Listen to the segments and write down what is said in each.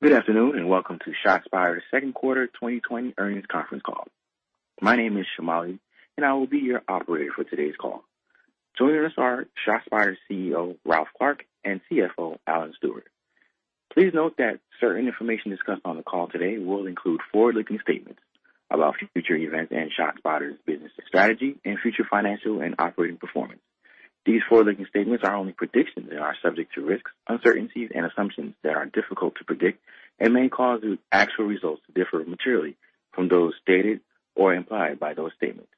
Good afternoon, welcome to ShotSpotter's second quarter 2020 earnings conference call. My name is Shamali, and I will be your operator for today's call. Joining us are ShotSpotter's CEO, Ralph Clark, and CFO, Alan Stewart. Please note that certain information discussed on the call today will include forward-looking statements about future events and ShotSpotter's business strategy and future financial and operating performance. These forward-looking statements are only predictions and are subject to risks, uncertainties, and assumptions that are difficult to predict and may cause the actual results to differ materially from those stated or implied by those statements.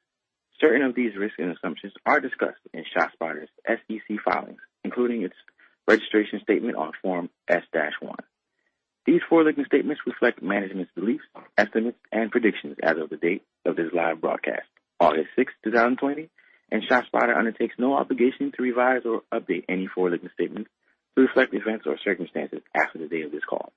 Certain of these risks and assumptions are discussed in ShotSpotter's SEC filings, including its registration statement on Form S-1. These forward-looking statements reflect management's beliefs, estimates, and predictions as of the date of this live broadcast, August 6th, 2020. ShotSpotter undertakes no obligation to revise or update any forward-looking statements to reflect events or circumstances after the date of this call.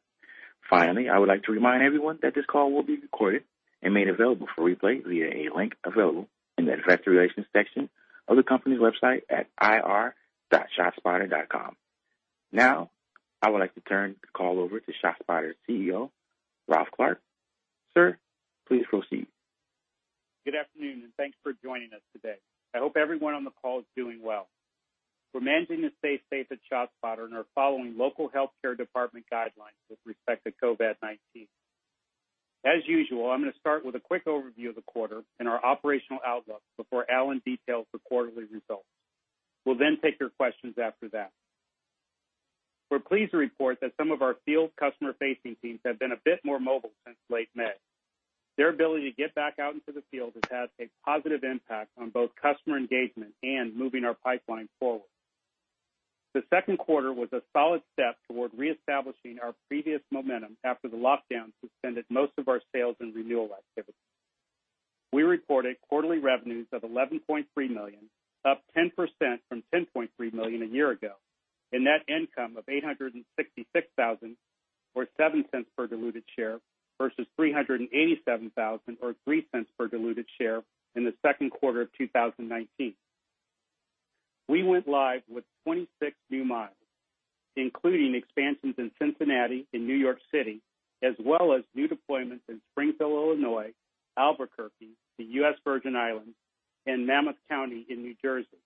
I would like to remind everyone that this call will be recorded and made available for replay via a link available in the investor relations section of the company's website at ir.shotspotter.com. I would like to turn the call over to ShotSpotter's CEO, Ralph Clark. Sir, please proceed. Good afternoon, and thanks for joining us today. I hope everyone on the call is doing well. We're managing a safe space at ShotSpotter and are following local healthcare department guidelines with respect to COVID-19. As usual, I'm going to start with a quick overview of the quarter and our operational outlook before Alan details the quarterly results. We'll then take your questions after that. We're pleased to report that some of our field customer-facing teams have been a bit more mobile since late May. Their ability to get back out into the field has had a positive impact on both customer engagement and moving our pipeline forward. The second quarter was a solid step toward reestablishing our previous momentum after the lockdown suspended most of our sales and renewal activities. We reported quarterly revenues of $11.3 million, up 10% from $10.3 million a year ago, and net income of $866,000, or $0.07 per diluted share, versus $387,000 or $0.03 per diluted share in the second quarter of 2019. We went live with 26 new miles, including expansions in Cincinnati and New York City, as well as new deployments in Springfield, Illinois, Albuquerque, the U.S. Virgin Islands, and Monmouth County in New Jersey.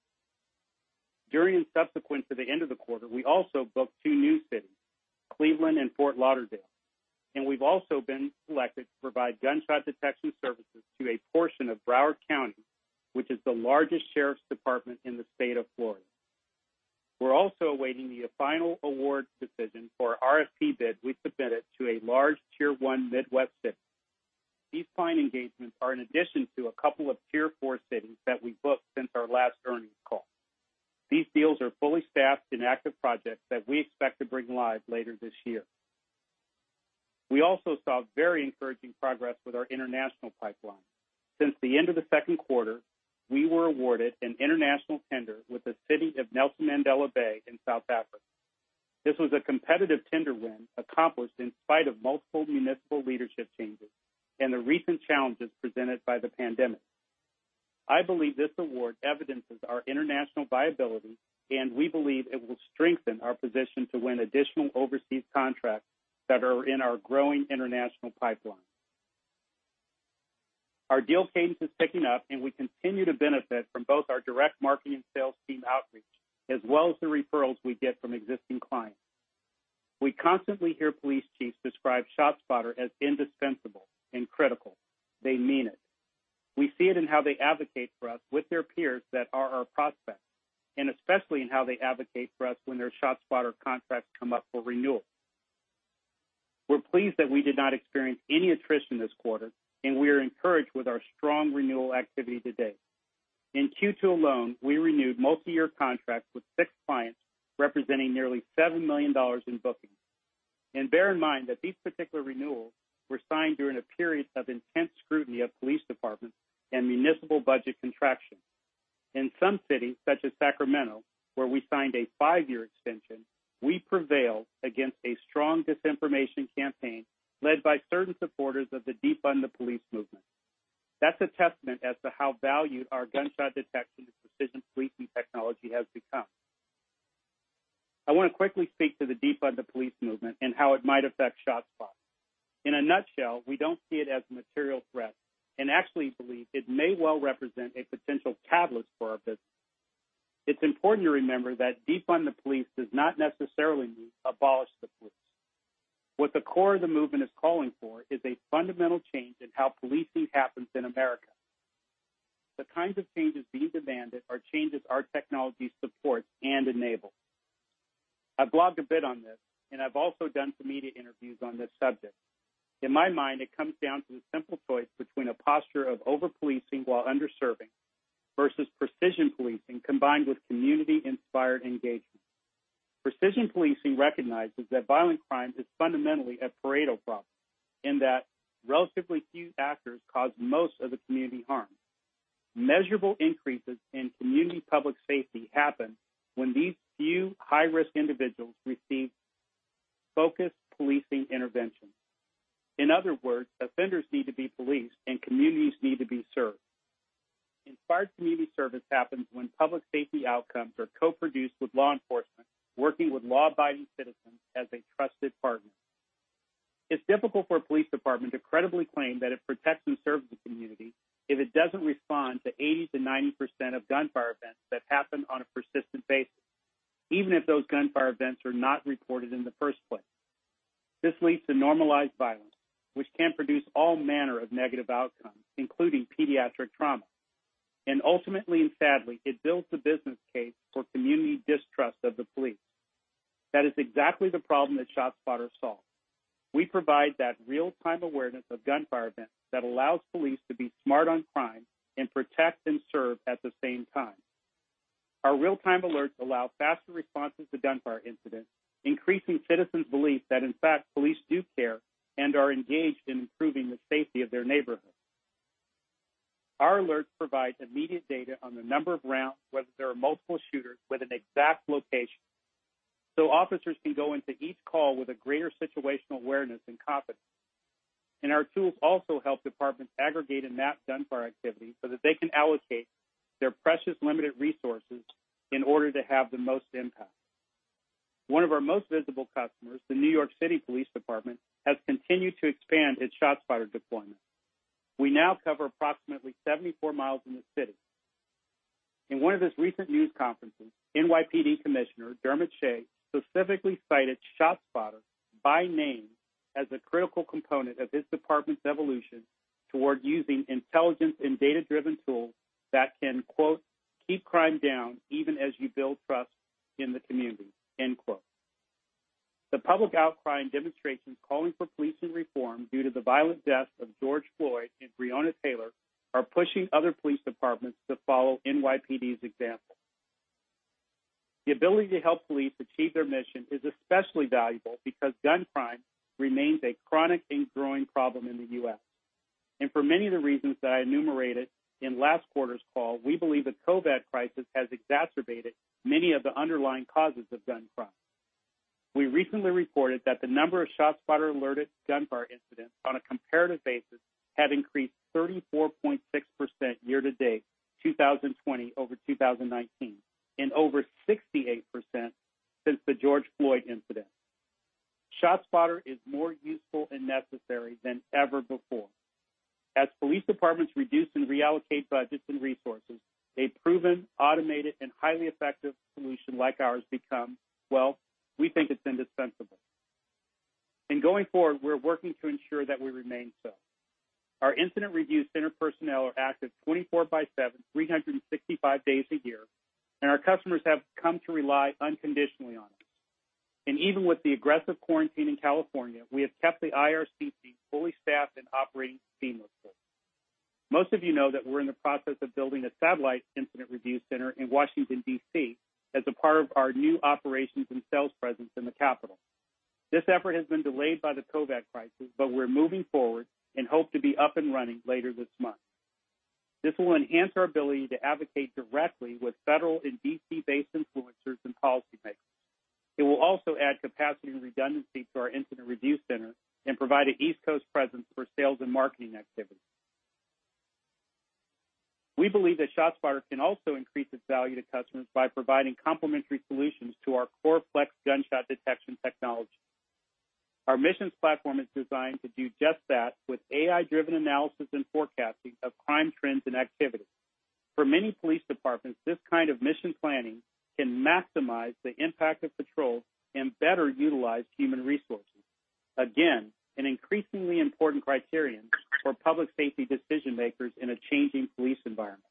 During and subsequent to the end of the quarter, we also booked two new cities, Cleveland and Fort Lauderdale, and we've also been selected to provide gunshot detection services to a portion of Broward County, which is the largest sheriff's department in the state of Florida. We're also awaiting the final award decision for our RFP bid we submitted to a large tier 1 Midwest city. These client engagements are in addition to a couple of tier 4 cities that we've booked since our last earnings call. These deals are fully staffed and active projects that we expect to bring live later this year. We also saw very encouraging progress with our international pipeline. Since the end of the second quarter, we were awarded an international tender with the city of Nelson Mandela Bay in South Africa. This was a competitive tender win accomplished in spite of multiple municipal leadership changes and the recent challenges presented by the pandemic. I believe this award evidences our international viability, and we believe it will strengthen our position to win additional overseas contracts that are in our growing international pipeline. Our deal cadence is picking up, and we continue to benefit from both our direct marketing sales team outreach, as well as the referrals we get from existing clients. We constantly hear police chiefs describe ShotSpotter as indispensable and critical. They mean it. We see it in how they advocate for us with their peers that are our prospects, and especially in how they advocate for us when their ShotSpotter contracts come up for renewal. We're pleased that we did not experience any attrition this quarter, and we are encouraged with our strong renewal activity to date. In Q2 alone, we renewed multiyear contracts with six clients, representing nearly $7 million in bookings. Bear in mind that these particular renewals were signed during a period of intense scrutiny of police departments and municipal budget contractions. In some cities, such as Sacramento, where we signed a five-year extension, we prevailed against a strong disinformation campaign led by certain supporters of the Defund the Police movement. That's a testament as to how valued our gunshot detection and precision policing technology has become. I want to quickly speak to the Defund the Police movement and how it might affect ShotSpotter. In a nutshell, we don't see it as a material threat and actually believe it may well represent a potential catalyst for our business. It's important to remember that Defund the Police does not necessarily mean abolish the police. What the core of the movement is calling for is a fundamental change in how policing happens in America. The kinds of changes being demanded are changes our technology supports and enables. I've blogged a bit on this, and I've also done some media interviews on this subject. In my mind, it comes down to the simple choice between a posture of over-policing while under-serving versus precision policing, combined with community-inspired engagement. Precision policing recognizes that violent crime is fundamentally a Pareto problem in that relatively few actors cause most of the community harm. Measurable increases in community public safety happen when these few high-risk individuals receive focused policing interventions. In other words, offenders need to be policed, and communities need to be served. Smart community service happens when public safety outcomes are co-produced with law enforcement, working with law-abiding citizens as a trusted partner. It's difficult for a police department to credibly claim that it protects and serves the community if it doesn't respond to 80%-90% of gunfire events that happen on a persistent basis, even if those gunfire events are not reported in the first place. This leads to normalized violence, which can produce all manner of negative outcomes, including pediatric trauma. Ultimately and sadly, it builds the business case for community distrust of the police. That is exactly the problem that ShotSpotter solves. We provide that real-time awareness of gunfire events that allows police to be smart on crime and protect and serve at the same time. Our real-time alerts allow faster responses to gunfire incidents, increasing citizens' belief that, in fact, police do care and are engaged in improving the safety of their neighborhoods. Our alerts provide immediate data on the number of rounds, whether there are multiple shooters, with an exact location, so officers can go into each call with a greater situational awareness and confidence. Our tools also help departments aggregate and map gunfire activity so that they can allocate their precious limited resources in order to have the most impact. One of our most visible customers, the New York City Police Department, has continued to expand its ShotSpotter deployment. We now cover approximately 74 mi in the city. In one of his recent news conferences, NYPD Commissioner Dermot Shea specifically cited ShotSpotter by name as a critical component of his department's evolution toward using intelligence and data-driven tools that can quote, "Keep crime down even as you build trust in the community." The public outcry and demonstrations calling for policing reform due to the violent deaths of George Floyd and Breonna Taylor are pushing other police departments to follow NYPD's example. The ability to help police achieve their mission is especially valuable because gun crime remains a chronic and growing problem in the U.S. For many of the reasons that I enumerated in last quarter's call, we believe the COVID crisis has exacerbated many of the underlying causes of gun crime. We recently reported that the number of ShotSpotter-alerted gunfire incidents on a comparative basis have increased 34.6% year-to-date 2020 over 2019, and over 68% since the George Floyd incident. ShotSpotter is more useful and necessary than ever before. As police departments reduce and reallocate budgets and resources, a proven, automated, and highly effective solution like ours becomes, well, we think it's indispensable. Going forward, we're working to ensure that we remain so. Our Incident Review Center personnel are active 24 by 7, 365 days a year, our customers have come to rely unconditionally on us. Even with the aggressive quarantine in California, we have kept the IRC fully staffed and operating seamlessly. Most of you know that we're in the process of building a satellite Incident Review Center in Washington, D.C., as a part of our new operations and sales presence in the capital. This effort has been delayed by the COVID-19 crisis, we're moving forward and hope to be up and running later this month. This will enhance our ability to advocate directly with federal and D.C.-based influencers and policymakers. It will also add capacity and redundancy to our Incident Review Center and provide an East Coast presence for sales and marketing activities. We believe that ShotSpotter can also increase its value to customers by providing complementary solutions to our core ShotSpotter Flex gunshot detection technology. Our Missions platform is designed to do just that with AI-driven analysis and forecasting of crime trends and activities. For many police departments, this kind of mission planning can maximize the impact of patrols and better utilize human resources. An increasingly important criterion for public safety decision-makers in a changing police environment.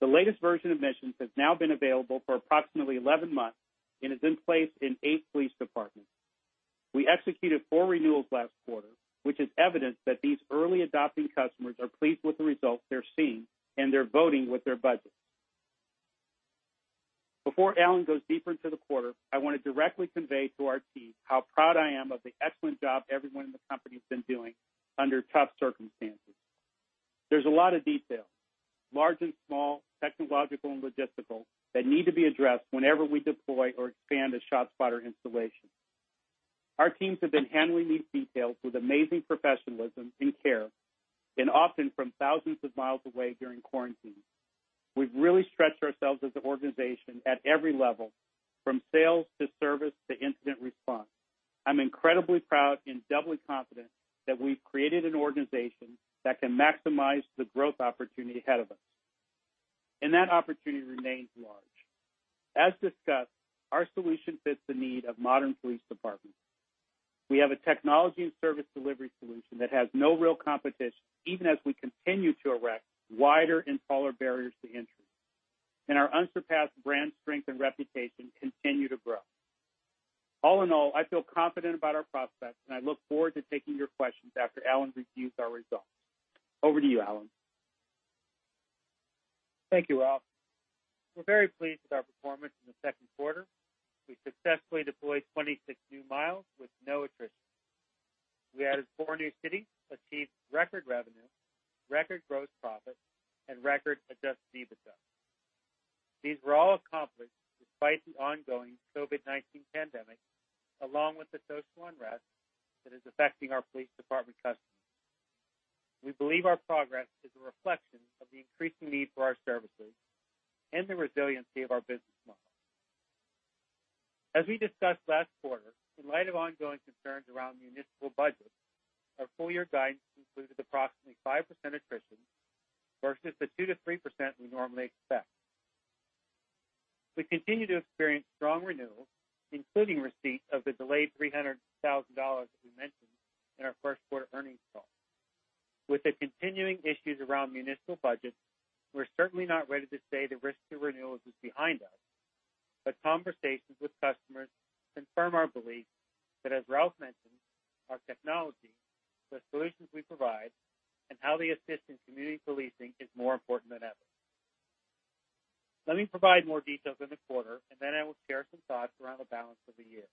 The latest version of Missions has now been available for approximately 11 months and is in place in eight police departments. We executed four renewals last quarter, which is evidence that these early-adopting customers are pleased with the results they're seeing, and they're voting with their budgets. Before Alan goes deeper into the quarter, I want to directly convey to our team how proud I am of the excellent job everyone in the company has been doing under tough circumstances. There's a lot of details, large and small, technological and logistical, that need to be addressed whenever we deploy or expand a ShotSpotter installation. Our teams have been handling these details with amazing professionalism and care, and often from thousands of miles away during quarantine. We've really stretched ourselves as an organization at every level, from sales to service to incident response. I'm incredibly proud and doubly confident that we've created an organization that can maximize the growth opportunity ahead of us, and that opportunity remains large. As discussed, our solution fits the need of modern police departments. We have a technology and service delivery solution that has no real competition, even as we continue to erect wider and taller barriers to entry. Our unsurpassed brand strength and reputation continue to grow. All in all, I feel confident about our prospects, and I look forward to taking your questions after Alan reviews our results. Over to you, Alan. Thank you, Ralph Clark. We're very pleased with our performance in the second quarter. We successfully deployed 26 new miles with no attrition. We added four new cities, achieved record revenue, record gross profit, and record adjusted EBITDA. These were all accomplished despite the ongoing COVID-19 pandemic, along with the social unrest that is affecting our police department customers. We believe our progress is a reflection of the increasing need for our services and the resiliency of our business model. As we discussed last quarter, in light of ongoing concerns around municipal budgets, our full-year guidance included approximately 5% attrition versus the 2%-3% we normally expect. We continue to experience strong renewals, including receipt of the delayed $300,000 that we mentioned in our first quarter earnings call. With the continuing issues around municipal budgets, we're certainly not ready to say the risk to renewals is behind us, conversations with customers confirm our belief that, as Ralph mentioned, our technology, the solutions we provide, and how they assist in community policing is more important than ever. Let me provide more details on the quarter, then I will share some thoughts around the balance of the year.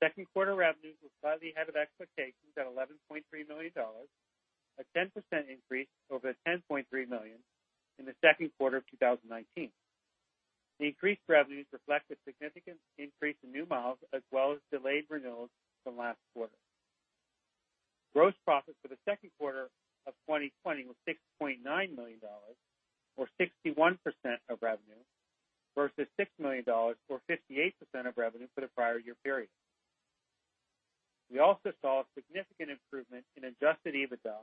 Second quarter revenues were slightly ahead of expectations at $11.3 million, a 10% increase over the $10.3 million in the second quarter of 2019. The increased revenues reflect the significant increase in new miles as well as delayed renewals from last quarter. Gross profits for the second quarter of 2020 was $6.9 million, or 61% of revenue, versus $6 million or 58% of revenue for the prior year period. We also saw a significant improvement in adjusted EBITDA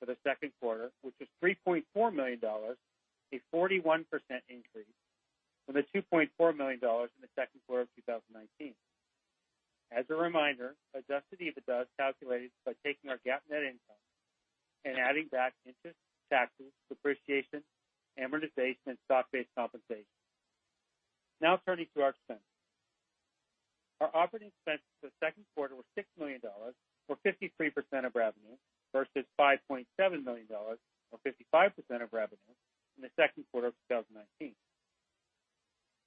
for the second quarter, which was $3.4 million, a 41% increase from the $2.4 million in the second quarter of 2019. As a reminder, adjusted EBITDA is calculated by taking our GAAP net income and adding back interest, taxes, depreciation, amortization, and stock-based compensation. Now turning to our expense. Our operating expenses for the second quarter were $6 million, or 53% of revenue, versus $5.7 million, or 55% of revenue in the second quarter of 2019.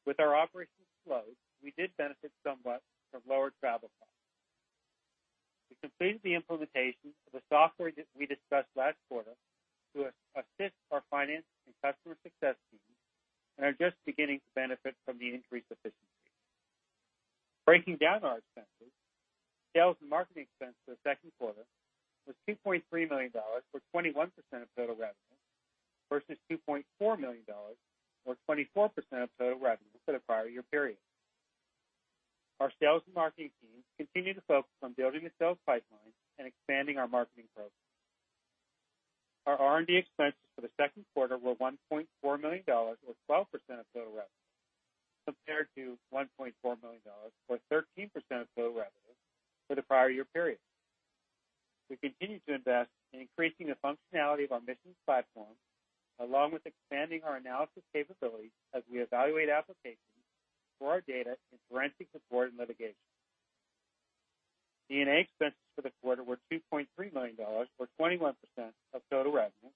With our operations slow, we did benefit somewhat from lower travel costs. We completed the implementation of the software that we discussed last quarter to assist our finance and customer success teams and are just beginning to benefit from the increased efficiency. Breaking down our expenses, sales and marketing expense for the second quarter was $2.3 million, or 21% of total revenue, versus $2.4 million, or 24% of total revenue for the prior year period. Our sales and marketing teams continue to focus on building the sales pipeline and expanding our marketing programs. Our R&D expenses for the second quarter were $1.4 million, or 12% of total revenue, compared to $1.4 million or 13% of total revenue for the prior year period. We continue to invest in increasing the functionality of our Missions platform, along with expanding our analysis capabilities as we evaluate applications for our data in forensic support and litigation. G&A expenses for the quarter were $2.3 million, or 21% of total revenue,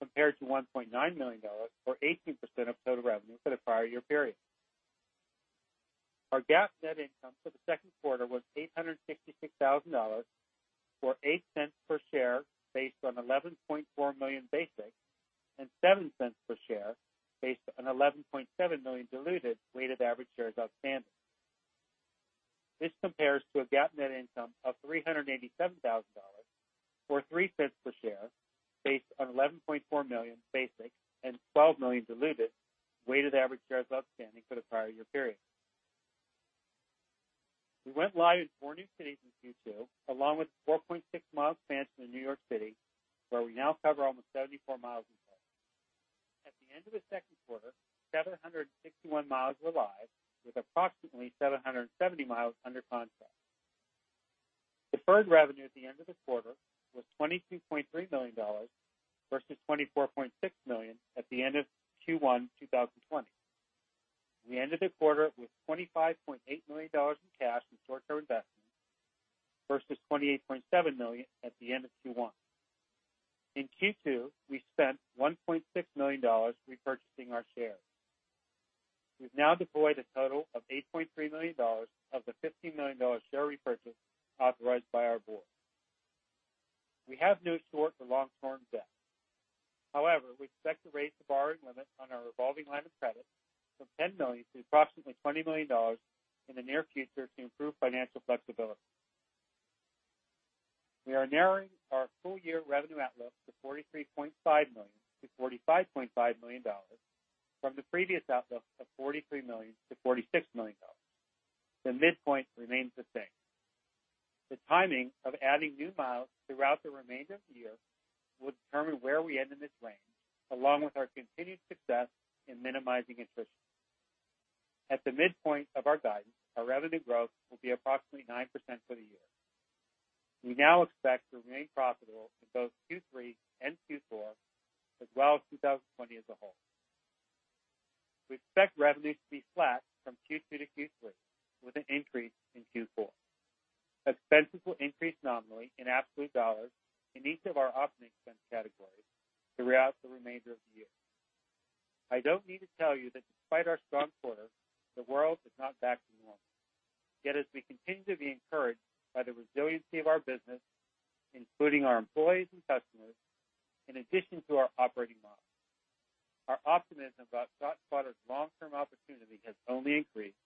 compared to $1.9 million, or 18% of total revenue for the prior year period. Our GAAP net income for the second quarter was $866,000, or $0.08 per share, based on 11.4 million basic, and $0.07 per share, based on 11.7 million diluted weighted average shares outstanding. This compares to a GAAP net income of $387,000, or $0.03 per share, based on 11.4 million basic and 12 million diluted weighted average shares outstanding for the prior year period. We went live in four new cities in Q2, along with a 4.6 mi expansion in New York City, where we now cover almost 74 mi in total. At the end of the second quarter, 761 mi were live, with approximately 770 mi under contract. Deferred revenue at the end of the quarter was $22.3 million versus $24.6 million at the end of Q1 2020. We ended the quarter with $25.8 million in cash and short-term investments, versus $28.7 million at the end of Q1. In Q2, we spent $1.6 million repurchasing our shares. We've now deployed a total of $8.3 million of the $15 million share repurchase authorized by our board. We have no short- or long-term debt. However, we expect to raise the borrowing limit on our revolving line of credit from $10 million to approximately $20 million in the near future to improve financial flexibility. We are narrowing our full-year revenue outlook to $43.5 million-$45.5 million, from the previous outlook of $43 million-$46 million. The midpoint remains the same. The timing of adding new miles throughout the remainder of the year will determine where we end in this range, along with our continued success in minimizing attrition. At the midpoint of our guidance, our revenue growth will be approximately 9% for the year. We now expect to remain profitable in both Q3 and Q4, as well as 2020 as a whole. We expect revenues to be flat from Q2 to Q3, with an increase in Q4. Expenses will increase nominally in absolute dollars in each of our operating expense categories throughout the remainder of the year. I don't need to tell you that despite our strong quarter, the world is not back to normal. Yet as we continue to be encouraged by the resiliency of our business, including our employees and customers, in addition to our operating model, our optimism about ShotSpotter's long-term opportunity has only increased,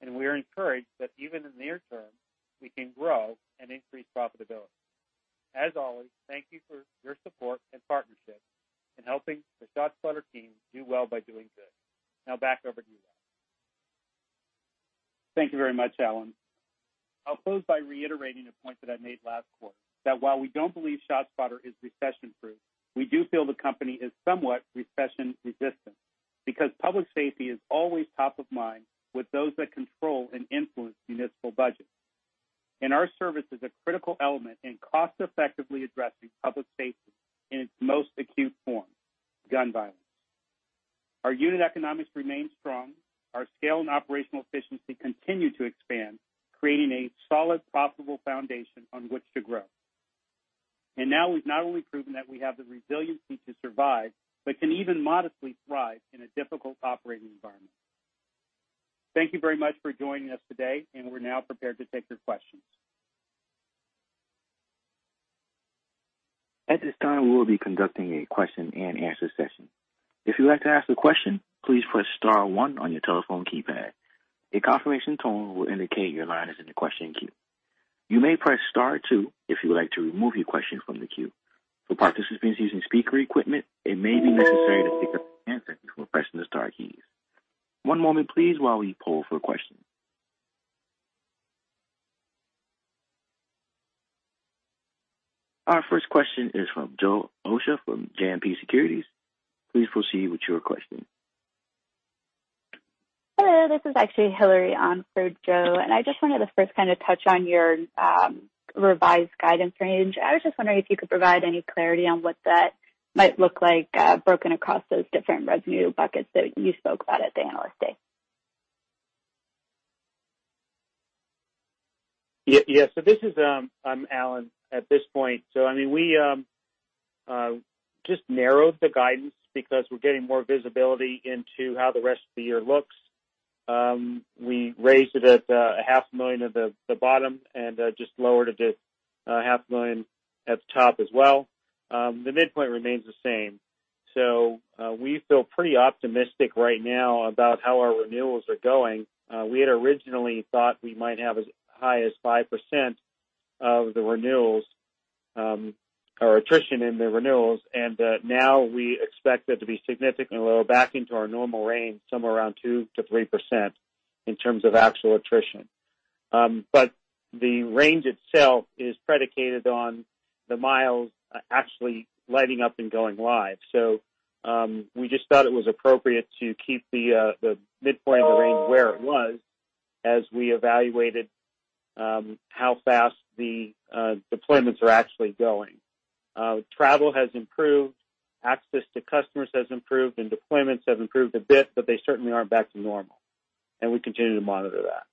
and we are encouraged that even in the near term, we can grow and increase profitability. As always, thank you for your support and partnership in helping the ShotSpotter team do well by doing good. Back over to you, Ralph. Thank you very much, Alan. I'll close by reiterating a point that I made last quarter, that while we don't believe ShotSpotter is recession-proof, we do feel the company is somewhat recession-resistant, because public safety is always top of mind with those that control and influence municipal budgets. Our service is a critical element in cost-effectively addressing public safety in its most acute form, gun violence. Our unit economics remain strong. Our scale and operational efficiency continue to expand, creating a solid profitable foundation on which to grow. Now we've not only proven that we have the resiliency to survive, but can even modestly thrive in a difficult operating environment. Thank you very much for joining us today, and we're now prepared to take your questions. Our first question is from Joe Osha from JMP Securities. Please proceed with your question. Hello, this is actually Hillary on for Joe. I just wanted to first kind of touch on your revised guidance range. I was just wondering if you could provide any clarity on what that might look like, broken across those different revenue buckets that you spoke about at the Analyst Day. Yeah. This is Alan. At this point, we just narrowed the guidance because we're getting more visibility into how the rest of the year looks. We raised it at a half million at the bottom and just lowered it a half million at the top as well. The midpoint remains the same. We feel pretty optimistic right now about how our renewals are going. We had originally thought we might have as high as 5% of the renewals, or attrition in the renewals, and now we expect it to be significantly lower, back into our normal range, somewhere around 2%-3% in terms of actual attrition. The range itself is predicated on the miles actually lighting up and going live. We just thought it was appropriate to keep the midpoint of the range where it was as we evaluated how fast the deployments are actually going. Travel has improved, access to customers has improved, and deployments have improved a bit, but they certainly aren't back to normal, and we continue to monitor that.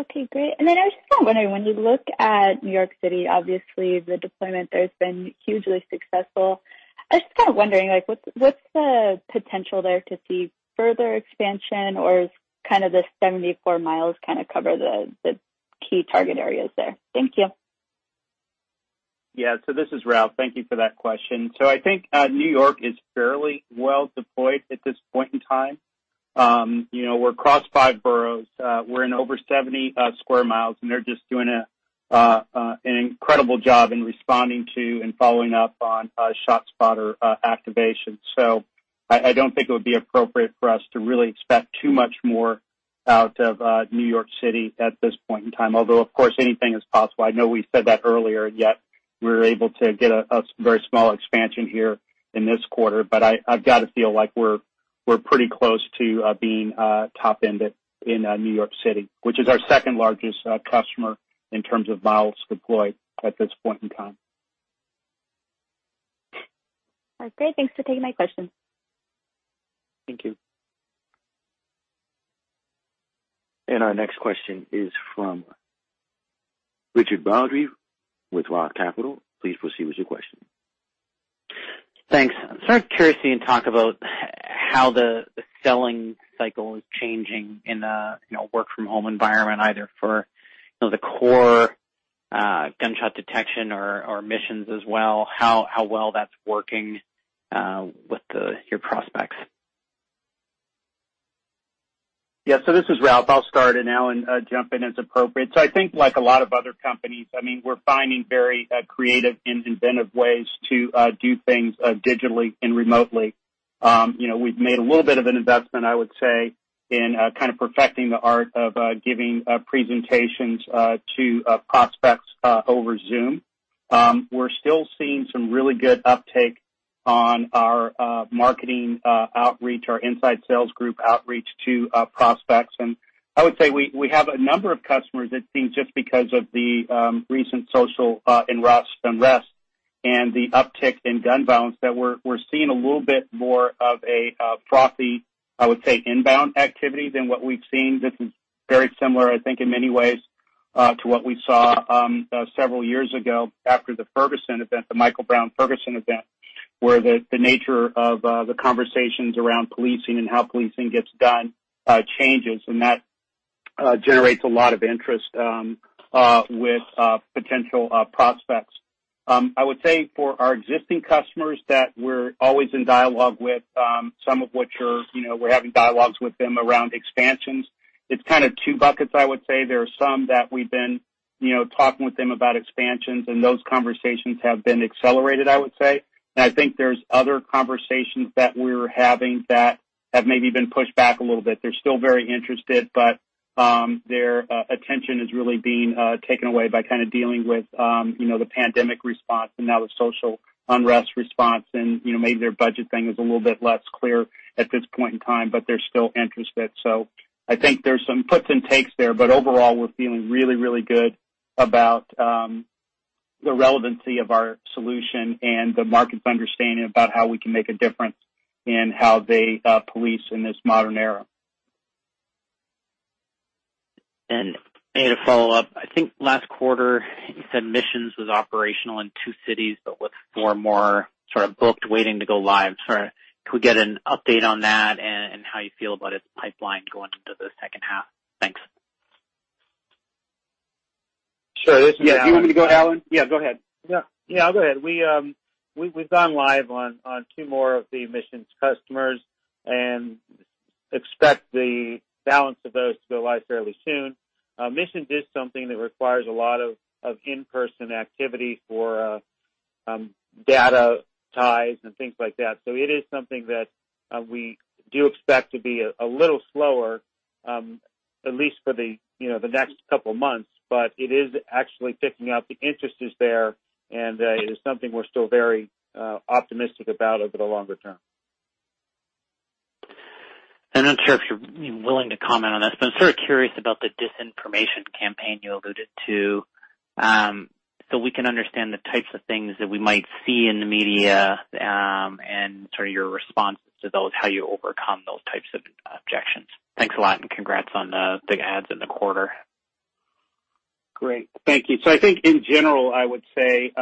Okay, great. I was just kind of wondering, when you look at New York City, obviously the deployment there has been hugely successful. I was just kind of wondering, what's the potential there to see further expansion or is kind of the 74 mi kind of cover the key target areas there? Thank you. This is Ralph. Thank you for that question. I think New York is fairly well deployed at this point in time. We're across five boroughs. We're in over 70 sq mi, and they're just doing an incredible job in responding to and following up on ShotSpotter activation. I don't think it would be appropriate for us to really expect too much more out of New York City at this point in time. Although, of course, anything is possible. I know we said that earlier, yet we were able to get a very small expansion here in this quarter. I've got to feel like we're pretty close to being top-ended in New York City, which is our second-largest customer in terms of miles deployed at this point in time. Okay. Thanks for taking my question. Thank you. Our next question is from Richard Baldry with Roth Capital Partners. Please proceed with your question. Thanks. I'm sort of curious to hear you talk about how the selling cycle is changing in a work-from-home environment, either for the core gunshot detection or missions as well, how well that's working with your prospects. Yeah. This is Ralph. I'll start, and Alan jump in as appropriate. I think like a lot of other companies, we're finding very creative and inventive ways to do things digitally and remotely. We've made a little bit of an investment, I would say, in kind of perfecting the art of giving presentations to prospects over Zoom. We're still seeing some really good uptake on our marketing outreach, our inside sales group outreach to prospects. I would say we have a number of customers it seems just because of the recent social unrest and the uptick in gun violence, that we're seeing a little bit more of a frothy, I would say, inbound activity than what we've seen. This is very similar, I think, in many ways. To what we saw several years ago after the Ferguson event, the Michael Brown Ferguson event, where the nature of the conversations around policing and how policing gets done changes, and that generates a lot of interest with potential prospects. I would say for our existing customers that we're always in dialogue with, some of which we're having dialogues with them around expansions. It's kind of two buckets, I would say. There are some that we've been talking with them about expansions, and those conversations have been accelerated, I would say. I think there's other conversations that we're having that have maybe been pushed back a little bit. They're still very interested, but their attention is really being taken away by kind of dealing with the pandemic response and now the social unrest response, and maybe their budget thing is a little bit less clear at this point in time, but they're still interested. I think there's some puts and takes there, but overall, we're feeling really, really good about the relevancy of our solution and the market's understanding about how we can make a difference in how they police in this modern era. I had a follow-up. I think last quarter you said ShotSpotter Missions was operational in two cities, but with four more sort of booked, waiting to go live. Could we get an update on that and how you feel about its pipeline going into the second half? Thanks. Sure. This is Alan. Yeah. Do you want me to go, Alan? Yeah, go ahead. Yeah. Yeah, I'll go ahead. We've gone live on two more of the Missions customers and expect the balance of those to go live fairly soon. Missions is something that requires a lot of in-person activity for data ties and things like that. It is something that we do expect to be a little slower, at least for the next couple of months. It is actually picking up. The interest is there, and it is something we're still very optimistic about over the longer term. I'm not sure if you're willing to comment on this, but I'm sort of curious about the disinformation campaign you alluded to so we can understand the types of things that we might see in the media, and sort of your responses to those, how you overcome those types of objections. Thanks a lot, and congrats on the big adds in the quarter. Great. Thank you. I think in general, I would say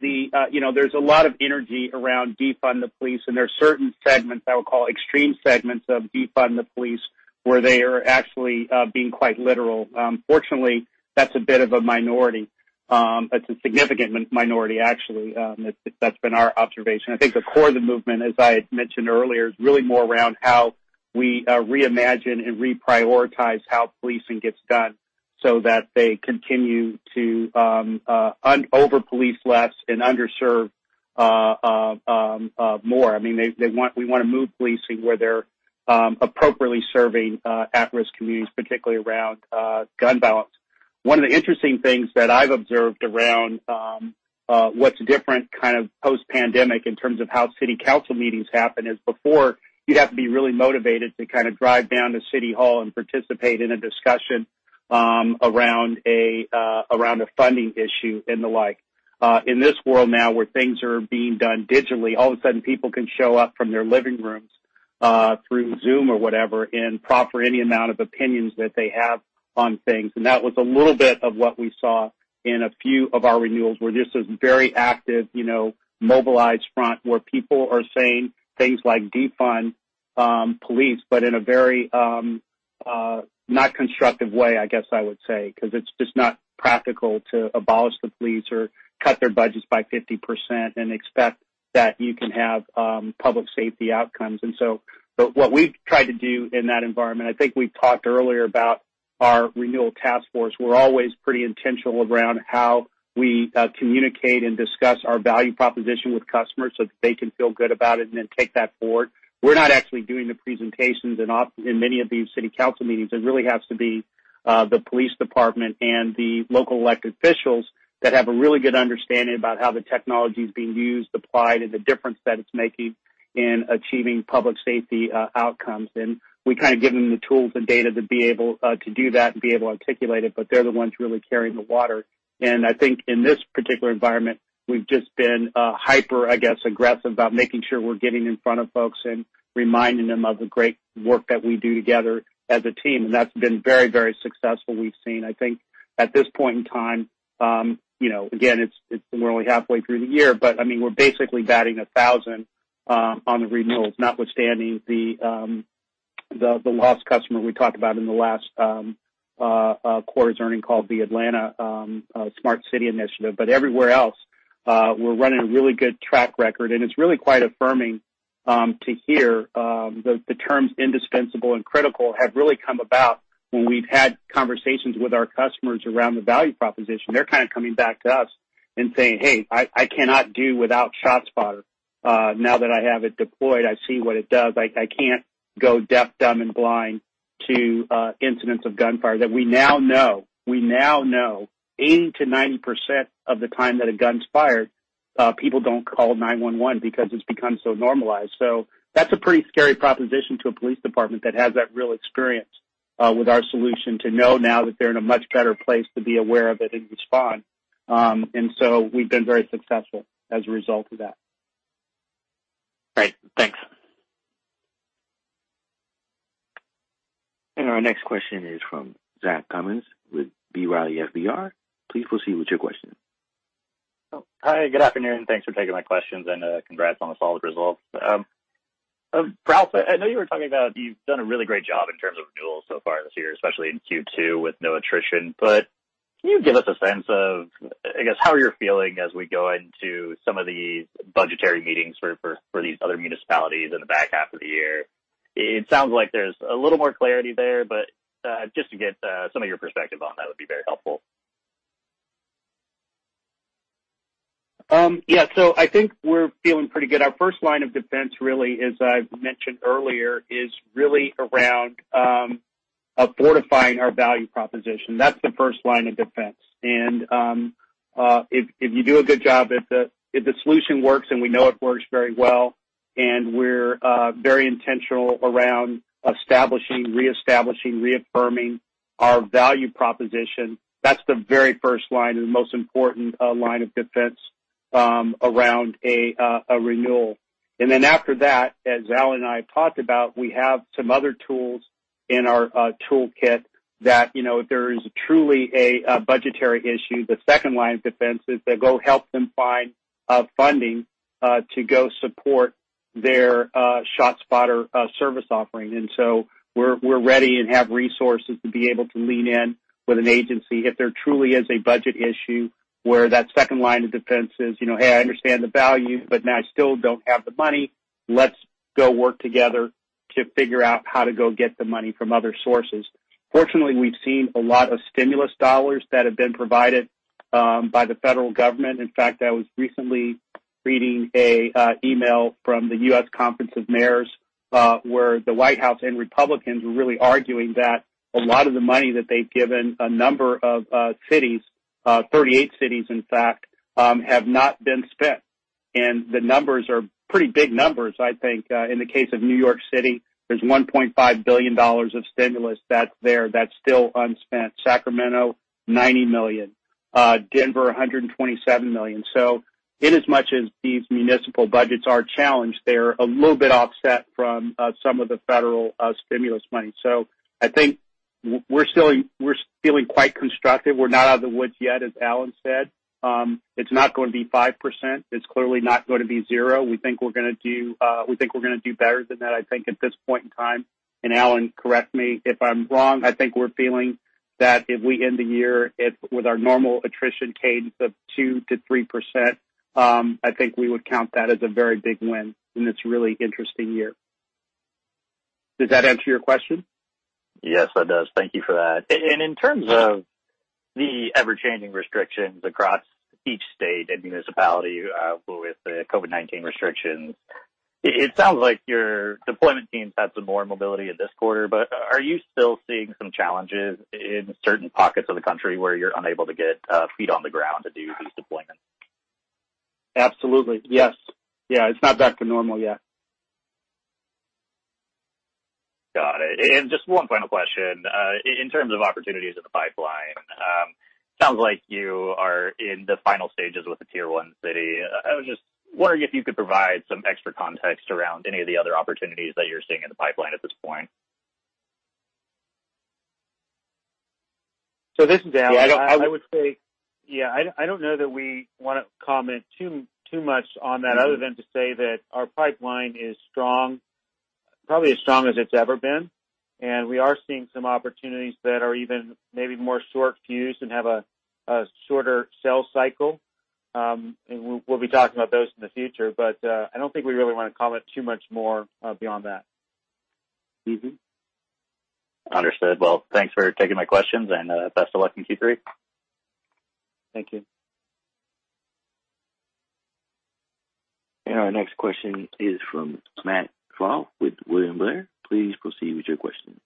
there's a lot of energy around Defund the Police, and there are certain segments I would call extreme segments of Defund the Police, where they are actually being quite literal. Fortunately, that's a bit of a minority. That's a significant minority, actually. That's been our observation. I think the core of the movement, as I had mentioned earlier, is really more around how we reimagine and reprioritize how policing gets done so that they continue to over-police less and under-serve more. We want to move policing where they're appropriately serving at-risk communities, particularly around gun violence. One of the interesting things that I've observed around what's different kind of post-pandemic in terms of how city council meetings happen is before, you'd have to be really motivated to kind of drive down to City Hall and participate in a discussion around a funding issue and the like. In this world now, where things are being done digitally, all of a sudden people can show up from their living rooms through Zoom or whatever and proffer any amount of opinions that they have on things. That was a little bit of what we saw in a few of our renewals, where just this very active mobilized front where people are saying things like Defund the Police, but in a very not constructive way, I guess I would say, because it's just not practical to abolish the police or cut their budgets by 50% and expect that you can have public safety outcomes. What we've tried to do in that environment, I think we talked earlier about our renewal task force. We're always pretty intentional around how we communicate and discuss our value proposition with customers so that they can feel good about it and then take that forward. We're not actually doing the presentations in many of these city council meetings. It really has to be the police department and the local elected officials that have a really good understanding about how the technology is being used, applied, and the difference that it's making in achieving public safety outcomes. We kind of give them the tools and data to be able to do that and be able to articulate it, but they're the ones really carrying the water. I think in this particular environment, we've just been hyper, I guess, aggressive about making sure we're getting in front of folks and reminding them of the great work that we do together as a team. That's been very, very successful we've seen. I think at this point in time, again, we're only halfway through the year, but we're basically batting 1,000 on the renewals, notwithstanding the lost customer we talked about in the last quarter's earning call, the Atlanta Smart City Initiative. Everywhere else, we're running a really good track record, and it's really quite affirming to hear the terms indispensable and critical have really come about when we've had conversations with our customers around the value proposition. They're kind of coming back to us and saying, "Hey, I cannot do without ShotSpotter. Now that I have it deployed, I see what it does. I can't go deaf, dumb, and blind to incidents of gunfire that we now know 80%-90% of the time that a gun's fired people don't call 911 because it's become so normalized. That's a pretty scary proposition to a police department that has that real experience with our solution to know now that they're in a much better place to be aware of it and respond. We've been very successful as a result of that. Great. Thanks. Our next question is from Zach Cummins with B. Riley FBR. Please proceed with your question. Oh, hi. Good afternoon. Thanks for taking my questions, and congrats on the solid results. Ralph, I know you were talking about you've done a really great job in terms of renewals so far this year, especially in Q2 with no attrition. Can you give us a sense of, I guess, how you're feeling as we go into some of these budgetary meetings for these other municipalities in the back half of the year? It sounds like there's a little more clarity there, but just to get some of your perspective on that would be very helpful. Yeah. I think we're feeling pretty good. Our first line of defense really, as I've mentioned earlier, is really around fortifying our value proposition. That's the first line of defense. If you do a good job, if the solution works, and we know it works very well, and we're very intentional around establishing, reestablishing, reaffirming our value proposition, that's the very first line and the most important line of defense around a renewal. After that, as Alan and I talked about, we have some other tools in our toolkit that if there is truly a budgetary issue, the second line of defense is to go help them find funding to go support their ShotSpotter service offering. We're ready and have resources to be able to lean in with an agency if there truly is a budget issue where that second line of defense is, "Hey, I understand the value, but now I still don't have the money. Let's go work together to figure out how to go get the money from other sources." Fortunately, we've seen a lot of stimulus dollars that have been provided by the federal government. In fact, I was recently reading an email from the U.S. Conference of Mayors, where the White House and Republicans were really arguing that a lot of the money that they've given a number of cities, 38 cities in fact, have not been spent. The numbers are pretty big numbers. I think, in the case of New York City, there's $1.5 billion of stimulus that's there that's still unspent. Sacramento, $90 million. Denver, $127 million. Inasmuch as these municipal budgets are challenged, they're a little bit offset from some of the federal stimulus money. I think we're feeling quite constructive. We're not out of the woods yet, as Alan said. It's not going to be 5%. It's clearly not going to be zero. We think we're going to do better than that, I think, at this point in time. Alan, correct me if I'm wrong. I think we're feeling that if we end the year with our normal attrition cadence of 2%-3%, I think we would count that as a very big win in this really interesting year. Does that answer your question? Yes, it does. Thank you for that. In terms of the ever-changing restrictions across each state and municipality with the COVID-19 restrictions, it sounds like your deployment teams had some more mobility in this quarter. Are you still seeing some challenges in certain pockets of the country where you're unable to get feet on the ground to do these deployments? Absolutely. Yes. Yeah, it's not back to normal yet. Got it. Just one final question. In terms of opportunities in the pipeline, sounds like you are in the final stages with a tier 1 city. I was just wondering if you could provide some extra context around any of the other opportunities that you're seeing in the pipeline at this point. This is Alan. Yeah. I would say, I don't know that we want to comment too much on that other than to say that our pipeline is strong, probably as strong as it's ever been, and we are seeing some opportunities that are even maybe more short fused and have a shorter sales cycle. We'll be talking about those in the future. I don't think we really want to comment too much more beyond that. Understood. Well, thanks for taking my questions, and best of luck in Q3. Thank you. Our next question is from Matt Zwahl with William Blair. Please proceed with your question.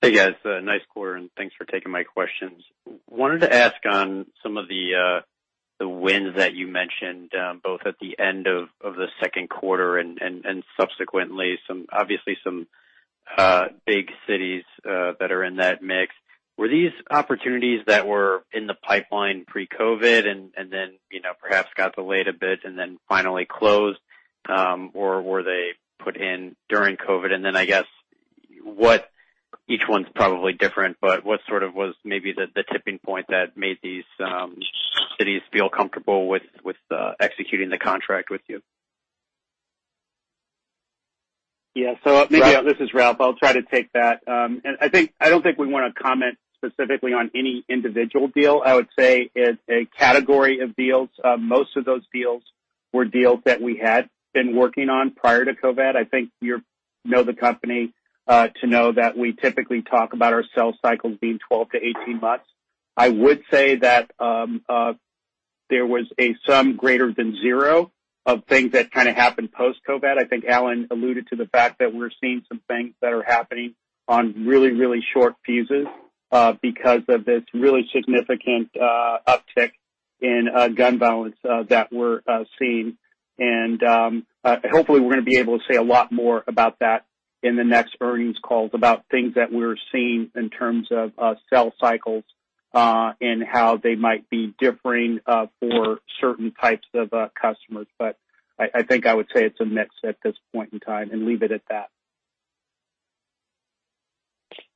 Hey, guys. Nice quarter. Thanks for taking my questions. Wanted to ask on some of the wins that you mentioned, both at the end of the second quarter and subsequently, obviously some big cities that are in that mix. Were these opportunities that were in the pipeline pre-COVID, and then perhaps got delayed a bit and then finally closed? Were they put in during COVID? I guess, each one's probably different, but what sort of was maybe the tipping point that made these cities feel comfortable with executing the contract with you? This is Ralph. I'll try to take that. I don't think we want to comment specifically on any individual deal. I would say as a category of deals, most of those deals were deals that we had been working on prior to COVID. I think you know the company to know that we typically talk about our sales cycles being 12 to 18 months. I would say that there was a sum greater than zero of things that happened post-COVID. I think Alan alluded to the fact that we're seeing some things that are happening on really short fuses because of this really significant uptick in gun violence that we're seeing. Hopefully, we're going to be able to say a lot more about that in the next earnings calls about things that we're seeing in terms of sales cycles and how they might be differing for certain types of customers. I think I would say it's a mix at this point in time and leave it at that.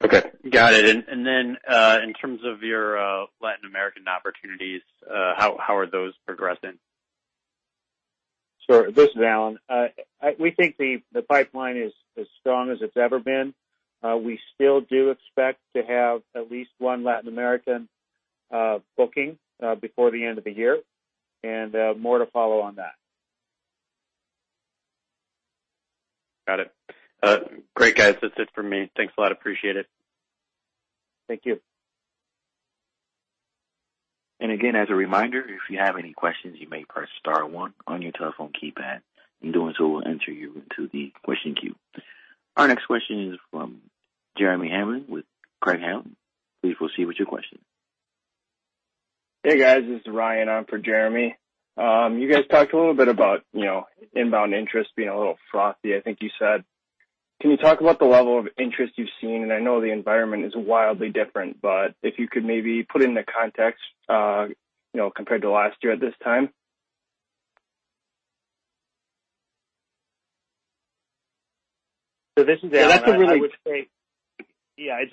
Okay. Got it. Then, in terms of your Latin American opportunities, how are those progressing? Sure. This is Alan. We think the pipeline is as strong as it's ever been. We still do expect to have at least one Latin American booking before the end of the year, and more to follow on that. Got it. Great, guys. That's it for me. Thanks a lot. Appreciate it. Thank you. Again, as a reminder, if you have any questions, you may press star one on your telephone keypad. In doing so, we'll enter you into the question queue. Our next question is from Jeremy Hamblin with Craig-Hallum. Please proceed with your question. Hey, guys. This is Ryan on for Jeremy. You guys talked a little bit about inbound interest being a little frothy, I think you said. Can you talk about the level of interest you've seen? I know the environment is wildly different, but if you could maybe put it into context, compared to last year at this time. This is Alan. Yeah, that's a. I would say, yeah, it's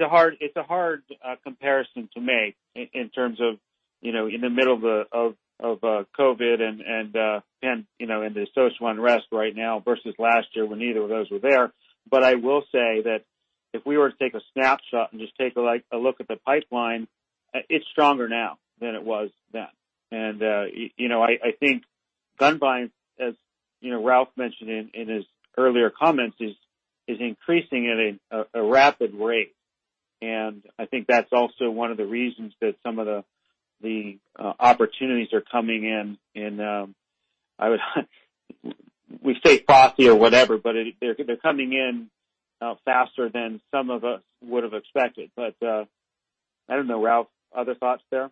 a hard comparison to make in terms of, in the middle of COVID-19 and the social unrest right now versus last year when neither of those were there. I will say that if we were to take a snapshot and just take a look at the pipeline, it's stronger now than it was then. I think gun buying, as Ralph mentioned in his earlier comments, is increasing at a rapid rate. I think that's also one of the reasons that some of the opportunities are coming in. We say frothy or whatever, but they're coming in faster than some of us would've expected. I don't know, Ralph, other thoughts there?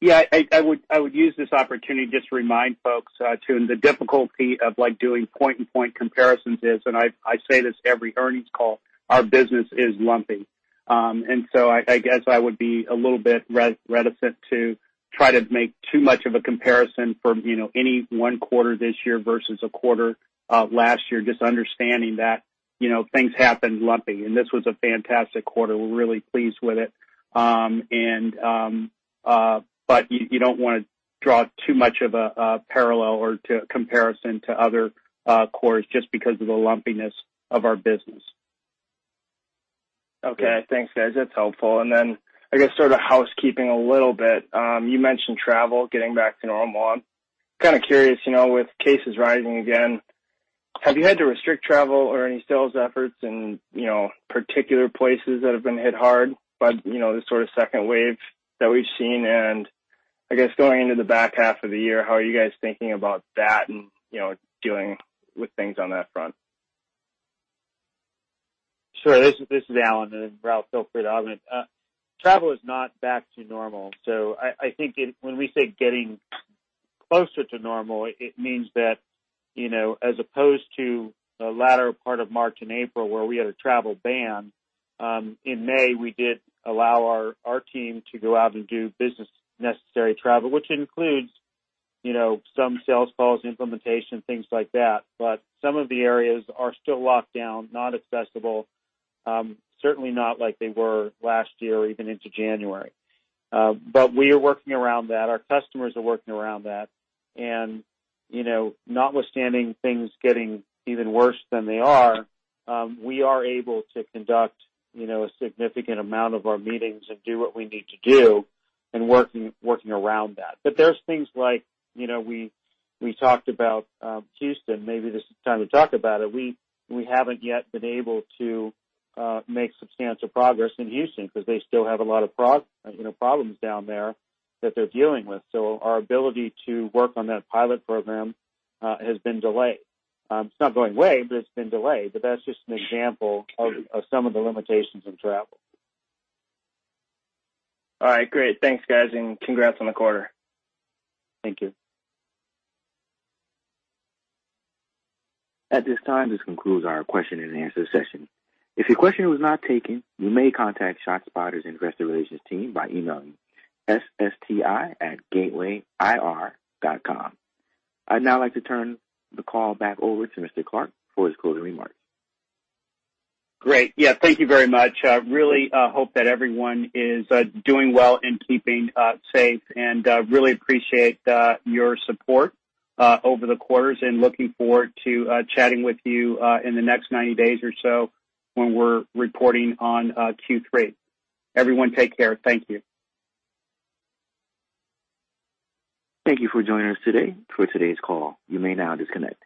Yeah. I would use this opportunity just to remind folks to the difficulty of doing point and point comparisons is, and I say this every earnings call, our business is lumpy. I guess I would be a little bit reticent to try to make too much of a comparison from any one quarter this year versus a quarter last year, just understanding that things happen lumpy, and this was a fantastic quarter. We're really pleased with it. You don't want to draw too much of a parallel or comparison to other quarters just because of the lumpiness of our business. Okay. Thanks, guys. That's helpful. I guess sort of housekeeping a little bit. You mentioned travel getting back to normal. I'm kind of curious, with cases rising again, have you had to restrict travel or any sales efforts in particular places that have been hit hard by this sort of second wave that we've seen? I guess going into the back half of the year, how are you guys thinking about that and doing with things on that front? Sure. This is Alan, and Ralph, feel free to augment. Travel is not back to normal. I think when we say getting closer to normal, it means that as opposed to the latter part of March and April where we had a travel ban, in May, we did allow our team to go out and do business necessary travel, which includes some sales calls, implementation, things like that. Some of the areas are still locked down, not accessible, certainly not like they were last year or even into January. We are working around that. Our customers are working around that. Notwithstanding things getting even worse than they are, we are able to conduct a significant amount of our meetings and do what we need to do and working around that. There's things like, we talked about Houston, maybe this is the time to talk about it. We haven't yet been able to make substantial progress in Houston because they still have a lot of problems down there that they're dealing with. Our ability to work on that pilot program has been delayed. It's not going away, but it's been delayed. That's just an example of some of the limitations of travel. All right, great. Thanks, guys, and congrats on the quarter. Thank you. At this time, this concludes our question and answer session. If your question was not taken, you may contact ShotSpotter's investor relations team by emailing ssti@gatewayir.com. I'd now like to turn the call back over to Mr. Clark for his closing remarks. Great. Yeah, thank you very much. Really hope that everyone is doing well and keeping safe, and really appreciate your support over the quarters and looking forward to chatting with you in the next 90 days or so when we're reporting on Q3. Everyone, take care. Thank you. Thank you for joining us today for today's call. You may now disconnect.